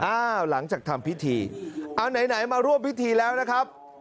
หลังจากทำพิธีเอาไหนมาร่วมพิธีแล้วนะครับ